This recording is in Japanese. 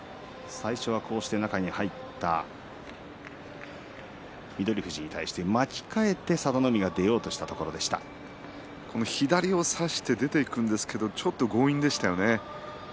最初は中に入った翠富士に対して巻き替えした佐田の海が左を差して出ていくんですけれどもちょっと強引でしたよね。